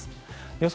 予想